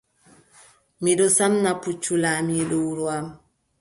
Mi ɗon samna pucci laamiiɗo wuro am.